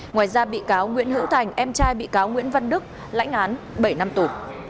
ngoài ra bị cáo nguyễn hữu thành em trai bị cáo nguyễn văn đức lãnh án bảy năm tù